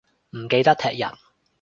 唔記得踢人